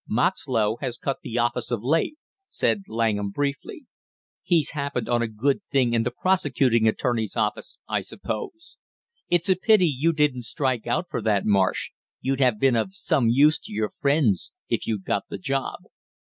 "Moxlow has cut the office of late," said Langham briefly. "He's happened on a good thing in the prosecuting attorney's office, I suppose? It's a pity you didn't strike out for that, Marsh; you'd have been of some use to your friends if you'd got the job."